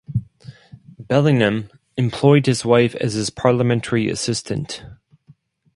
Bellingham employed his wife as his Parliamentary Assistant.